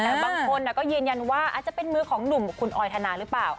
แต่บางคนก็ยืนยันว่าอาจจะเป็นมือของหนุ่มคุณออยธนาหรือเปล่า